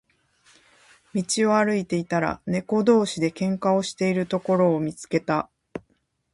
道を歩いていたら、猫同士で喧嘩をしているところを見つけた。